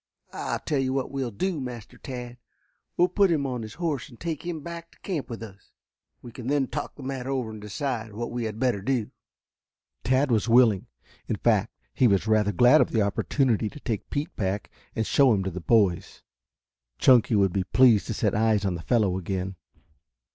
I'll tell you what we will do, Master Tad. We will put him on his horse and take him back to camp with us. We can then talk the matter over and decide what we had better do." Tad was willing, in fact he was rather glad of the opportunity to take Pete back and show him to the boys. Chunky would be pleased to set eyes on the fellow again.